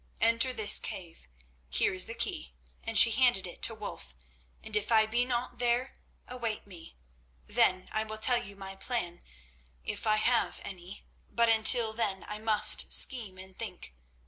Enter this cave—here is the key," and she handed it to Wulf, "and if I be not there, await me. Then I will tell you my plan, if I have any, but until then I must scheme and think.